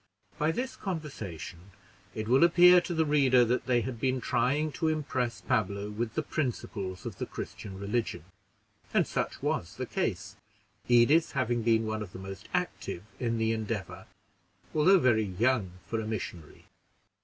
By this conversation it will appear to the reader that they had been trying to impress Pablo with the principles of the Christian religion and such was the case; Edith having been one of the most active in the endeavor, although very young for a missionary.